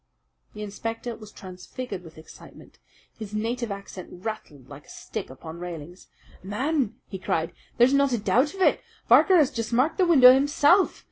The inspector was transfigured with excitement. His native accent rattled like a stick upon railings. "Man," he cried, "there's not a doubt of it! Barker has just marked the window himself.